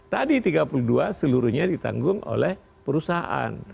tadi tiga puluh dua seluruhnya ditanggung oleh perusahaan